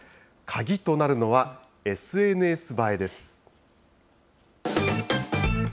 鍵となるのは、ＳＮＳ映えです。